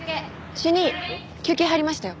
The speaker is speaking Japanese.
主任休憩入りましたよ。